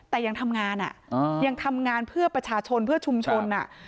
แต่ยังทำงานอ่ะยังทำงานเพื่อประชาชนเพื่อชุมชน